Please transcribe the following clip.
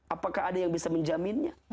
apakah ada yang bisa menjaminnya